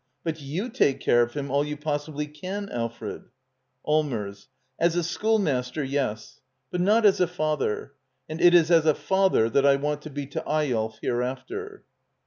] But/rou/take care of him all you possibly can, Alfred !^^"^^ Allmers. As a schoolmaster, yes; but not as a fitther. And it is a father that I want to be to "^'Eyolf hereafter.